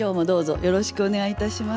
よろしくお願いします。